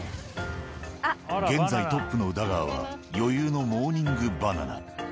現在トップの宇田川は、余裕のモーニングバナナ。